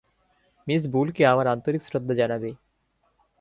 Miss বুলকে আমার আন্তরিক শ্রদ্ধা জানাবে।